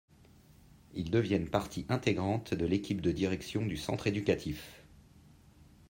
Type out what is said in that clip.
Ils deviennent partie intégrante de l'équipe de direction du centre éducatif.